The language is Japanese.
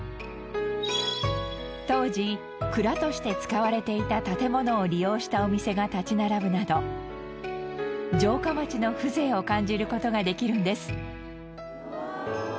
当時蔵として使われていた建物を利用したお店が立ち並ぶなど城下町の風情を感じる事ができるんです。